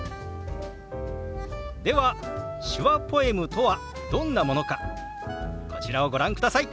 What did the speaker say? では手話ポエムとはどんなものかこちらをご覧ください。